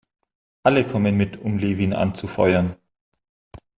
Alle kommen mit, um Levin anzufeuern.